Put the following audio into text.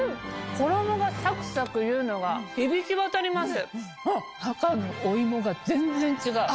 衣がサクサクいうのが響き渡ります。